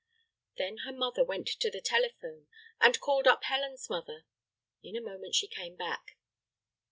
Then her mother went to the telephone and called up Helen's mother. In a moment she came back.